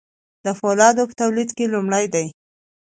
د فولادو په تولید کې لومړی دي.